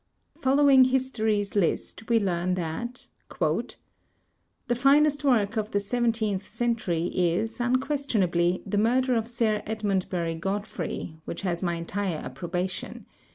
Following history's list, we learn that: "The finest work of the seventeenth century is, unques tionably, the murder of Sir Edmondbury Godfrey, which has my entire approbation.